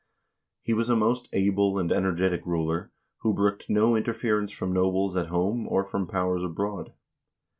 He was a most able and energetic ruler, who brooked no interference from nobles at home or from powers abroad.